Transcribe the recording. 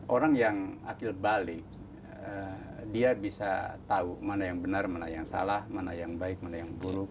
orang yang akil balik dia bisa tahu mana yang benar mana yang salah mana yang baik mana yang buruk